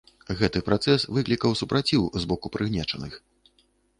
Гэты працэс выклікаў супраціў з боку прыгнечаных.